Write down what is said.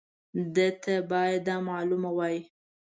ده ته باید دا معلومه وای.